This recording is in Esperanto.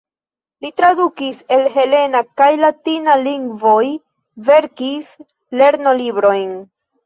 Li tradukis el helena kaj latina lingvoj, verkis lernolibrojn.